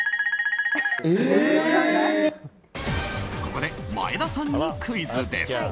ここで前田さんにクイズです。